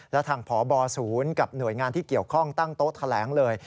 และทางพบศูนย์กับหน่วยงานที่เกี่ยวข้องตั้งโต๊ะแถลงเลย